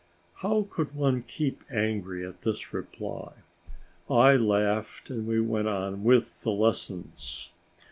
How could one keep angry at this reply. I laughed and we went on with the lessons.